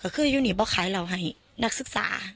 คือยูนิบอกขายเราให้นักศึกษา